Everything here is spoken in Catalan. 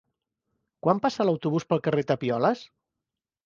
Quan passa l'autobús pel carrer Tapioles?